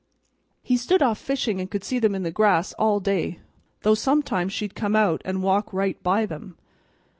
He stood off fishin', and could see them in the grass all day, though sometimes she'd come out and walk right by them.